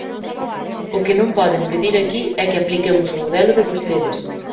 O que non poden pedir aquí é que apliquemos o modelo de vostedes.